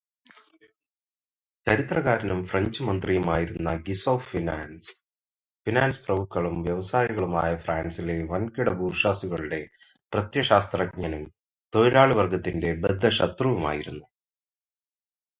ചരിത്രകാരനും French മന്ത്രിയുമായിരുന്ന Guizot finance പ്രഭുക്കളും വ്യവസായികളുമായ ഫ്രാൻസിലെ വൻകിടബൂർഷ്വാസിയുടെ പ്രത്യയശാസ്ത്രജ്ഞനും തൊഴിലാളിവർഗത്തിന്റെ ബദ്ധശത്രുവുമായിരുന്നു.